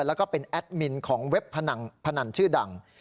แล้วก็เป็นแอดมินของเว็บพนันชื่อดัง